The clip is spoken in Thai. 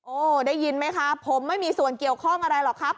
ได้ยินไหมคะผมไม่มีส่วนเกี่ยวข้องอะไรหรอกครับ